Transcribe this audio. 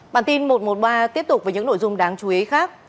bản tin một trăm một mươi ba tiếp tục với những nội dung đáng chú ý khác